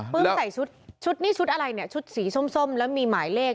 ใส่ชุดชุดนี้ชุดอะไรเนี่ยชุดสีส้มแล้วมีหมายเลข